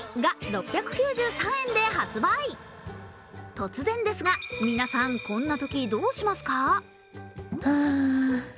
突然ですが皆さん、こんなときどうしますか？